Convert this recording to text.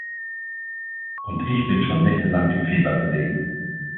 Und ich bin schon nächtelang im Fieber gelegen.